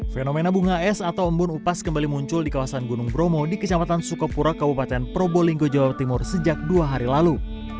fenomena bunga es atau embun upas kembali muncul di kawasan gunung bromo di kecamatan sukapura kabupaten probolinggo jawa timur sejak dua hari lalu